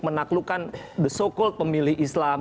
menaklukkan the so call pemilih islam